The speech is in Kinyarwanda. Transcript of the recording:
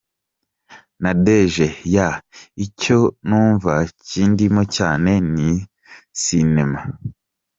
Nadege: Yeah, icyo numva kindimo cyane ni sinema.